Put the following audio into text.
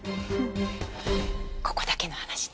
ここだけの話ね。